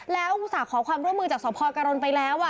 แล้วสาขอความร่วมมือจากสพกรณไปแล้วอ่ะ